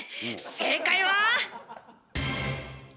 正解は。